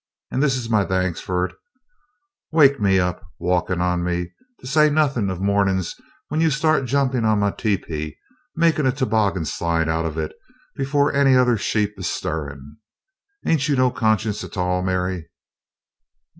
An' this is my thanks fer it wake me up walkin' on me, to say nothin' of mornin's when you start jumpin' on my tepee, makin' a toboggan slide out'n it before any other sheep is stirrin'. Ain't you no conscience a tall, Mary?"